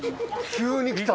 急に来た。